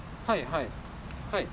はいはい。